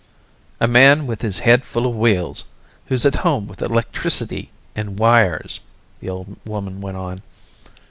"A man with his head full of wheels, who's at home with electricity and wires," the old woman went on.